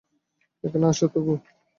এখানে আসো তো আগে।